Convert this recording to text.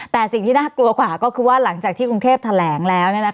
แต่สิ่งที่น่ากลัวกว่าก็คือว่าหลังจากที่กรุงเทพแถลงแล้ว